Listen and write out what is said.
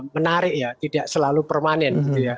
menarik ya tidak selalu permanen